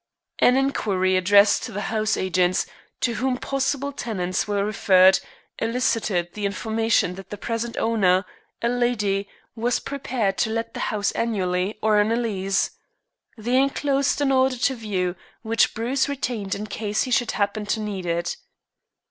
An inquiry addressed to the house agents to whom possible tenants were referred elicited the information that the present owner, a lady, was prepared to let the house annually or on a lease. They enclosed an order to view, which Bruce retained in case he should happen to need it.